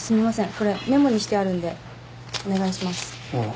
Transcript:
これメモにしてあるんでお願いしますああ